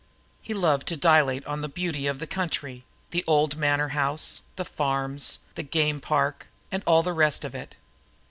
He loved to dilate on the beauty of the country, the old manor house, the farms, the game park, and all the rest of it.